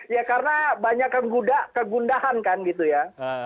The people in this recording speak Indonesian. ya karena banyak kegundahan kan gitu ya